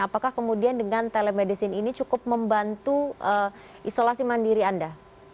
apakah kemudian dengan telemedicine ini cukup membantu isolasi mandiri anda